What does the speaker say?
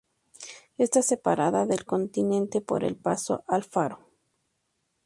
Está separada del continente por el paso Alfaro.